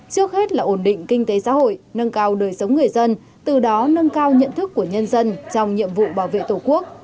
trước hết là ổn định kinh tế xã hội nâng cao đời sống người dân từ đó nâng cao nhận thức của nhân dân trong nhiệm vụ bảo vệ tổ quốc